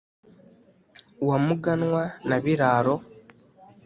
Wa Muganwa na Biraro